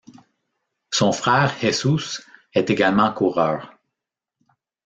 Son frère Jesús est également coureur.